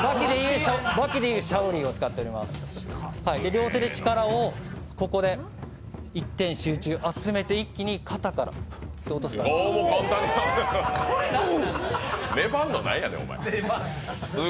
両手で力を一点集中集めて一気に肩から落とします。